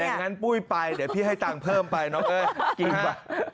อย่างงั้นปุ้ยไปเดี๋ยวพี่ให้ตังค์เพิ่มไปเนาะเอ้ย